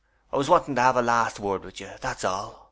I was wanting to have a last word with you, that's all.